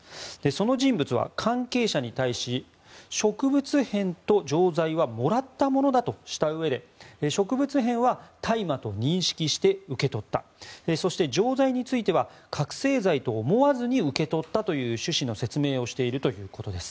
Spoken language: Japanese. その人物は関係者に対し植物片と錠剤はもらったものだとしたうえで植物片は大麻と認識して受け取ったそして錠剤については覚醒剤と思わずに受け取ったという趣旨の説明をしているということです。